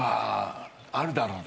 あるだろうね。